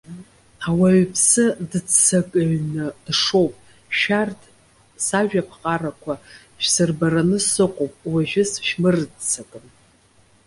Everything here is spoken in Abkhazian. Ауаҩԥсы дыццакыҩны дшоуп. Шәарҭ сажәаԥҟарақәа шәсырбараны сыҟоуп, уажәы сышәмырццакын.